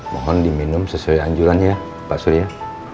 mohon diminum sesuai anjurannya pak surya